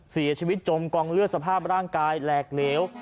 จมกองเลือดสภาพร่างกายแหลกเหลว